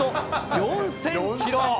４０００キロ。